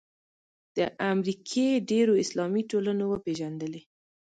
د امریکې ډېرو اسلامي ټولنو وپېژندلې.